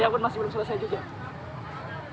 yang masih belum diselesaikan